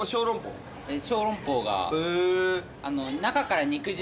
小籠包が。